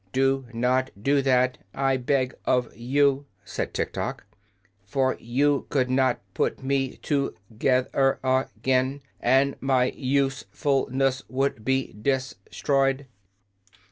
"Do not do that, I beg of you," said Tiktok; "for you could not put me to geth er a gain, and my use ful ness would be de stroyed."